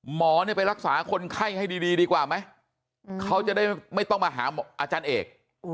หมอไปรักษาคนไข้ให้ดีดีกว่าไหมเขาจะได้ไม่ต้องมาหาอาจารย์เอก